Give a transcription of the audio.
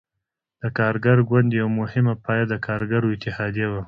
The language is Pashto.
د کارګر ګوند یوه مهمه پایه د کارګرو اتحادیه وه.